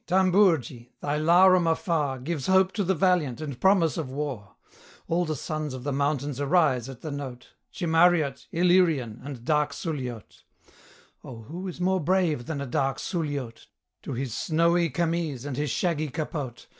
Tambourgi! thy larum afar Gives hope to the valiant, and promise of war; All the sons of the mountains arise at the note, Chimariot, Illyrian, and dark Suliote! Oh! who is more brave than a dark Suliote, To his snowy camese and his shaggy capote?